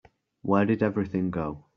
Where did everything go?